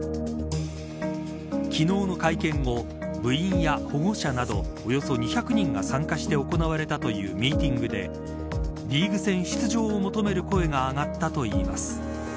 昨日の会見後部員や保護者などおよそ２００人が参加して行われたというミーティングでリーグ戦出場を求める声が上がったといいます。